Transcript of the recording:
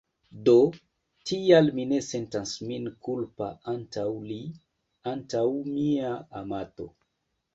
Do, tial mi ne sentas min kulpa antaŭ li, antaŭ mia amato.